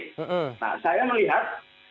nah saya melihat